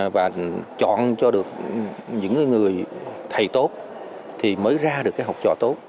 và chọn cho được những người thầy tốt thì mới ra được cái học trò tốt